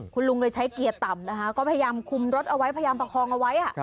คุณลุงเลยใช้เกียร์ต่ำนะคะก็พยายามคุมรถเอาไว้พยายามประคองเอาไว้